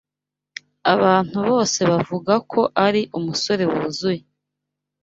Abantu bose bavuga ko ari umusore wuzuye.